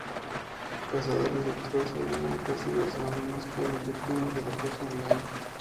Cazadores de trolls ayudaba a personas anónimas que eran víctimas del acoso online.